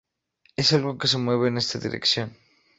Es algo que se mueve en esa dirección.